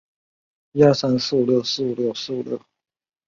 该高速在河南省境内较为繁忙。